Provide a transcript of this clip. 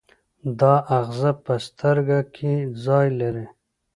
دا آخذه په سترګه کې ځای لري.